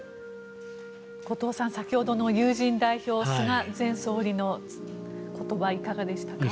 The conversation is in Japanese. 後藤さん先ほどの友人代表菅前総理の言葉はいかがでしたか？